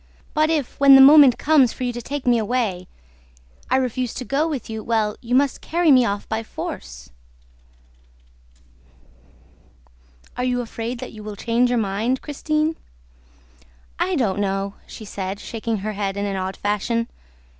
But, if, when the moment comes for you to take me away, I refuse to go with you well you must carry me off by force!" "Are you afraid that you will change your mind, Christine?" "I don't know," she said, shaking her head in an odd fashion.